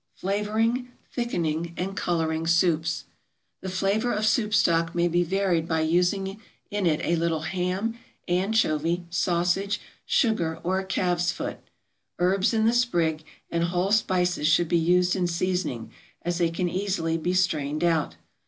=Flavoring, thickening, and coloring soups.= The flavor of soup stock may be varied by using in it a little ham, anchovy, sausage, sugar, or a calf's foot. Herbs in the sprig, and whole spices should be used in seasoning, as they can easily be strained out.